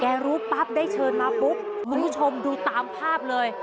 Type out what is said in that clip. รู้ปั๊บได้เชิญมาปุ๊บคุณผู้ชมดูตามภาพเลย